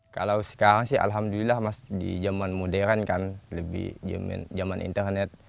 kalau sekarang sih alhamdulillah mas di zaman modern kan lebih zaman internet